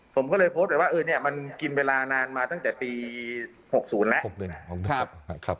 ผมก็เลยโพสต์ไปว่ามันกินเวลานานมาตั้งแต่ปี๖๐แล้ว